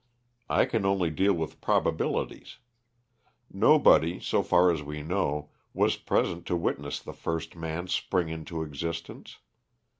I can only deal with probabilities. Nobody, so far as we know, was present to witness the first man spring into existence.